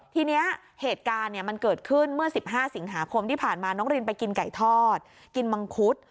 ทีนี้เหตุการณ์มันเกิดขึ้นเมื่อ๑๕สิงหาคมที่ผ่านมาน้องรินไปกินไก่ทอดกินมังคุด